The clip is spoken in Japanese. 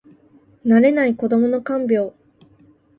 慣れない子どもの看病